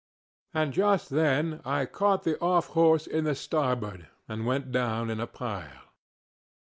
ŌĆØ And just then I caught the off horse in the starboard and went down in a pile.